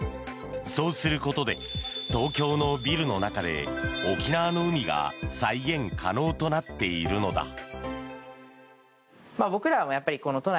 そうすることで東京のビルの中で沖縄の海が再現可能となっているのだ。